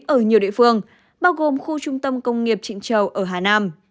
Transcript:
ở nhiều địa phương bao gồm khu trung tâm công nghiệp trịnh châu ở hà nam